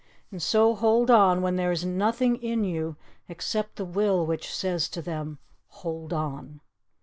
And so hold on when there is nothing in you Except the Will which says to them: 'Hold on!'